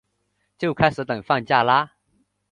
就开始等放假啦